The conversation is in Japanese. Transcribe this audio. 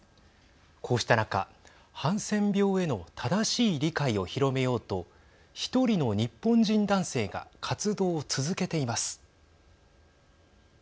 こうした中ハンセン病への正しい理解を広めようと１人の日本人男性が活動を続けています。